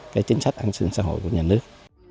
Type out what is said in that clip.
cái chính sách an sinh xã hội của nhà nước